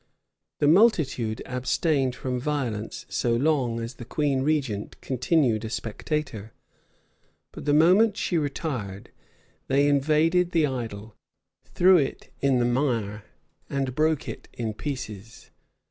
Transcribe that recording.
The multitude abstained from violence so long as the queen regent continued a spectator; but the moment she retired, they invaded the idol, threw it in the mire, and broke it in pieces.